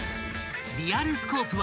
［『リアルスコープ』は］